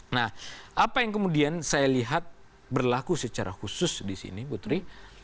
nah apa yang kemudian saya lihat berlaku secara khusus di sini putri